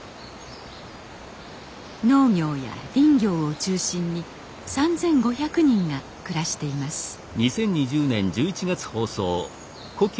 農業や林業を中心に３，５００人が暮らしていますあれ？